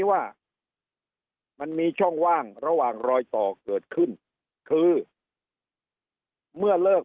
ว่ามันมีช่องว่างระหว่างรอยต่อเกิดขึ้นคือเมื่อเลิก